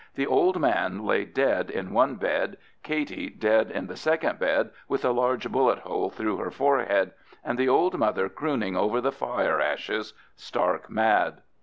The old man lay dead in one bed, Katey dead in the second bed with a large bullet hole through her forehead, and the old mother crooning over the fire ashes, stark mad.